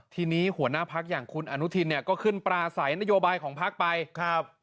ทีนี้หัวหน้าพักอย่างคุณอนุทินเนี่ยก็ขึ้นปราศัยนโยบายของพักไปครับ